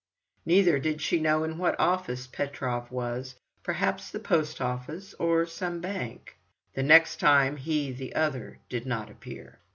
Neither did she know in what office Petrov was, perhaps the post office or some bank. The next time he, the other, did not appear.